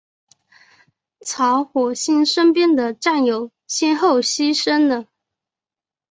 曹火星身边的战友先后牺牲了。